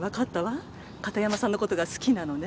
片山さんの事が好きなのね。